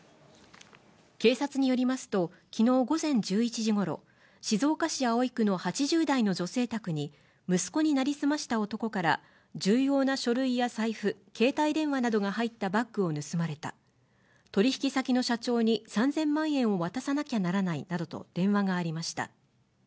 警察によりますと昨日、午前１１時頃、静岡県葵区の８０代の女性宅に息子になりすました男から重要な書類や財布、携帯電話などが入ったバッグを盗まれた、取引先の社長に３０００万円を渡さなきゃならないなどと電話がありました。